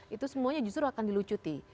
itu semuanya justru akan dilucuti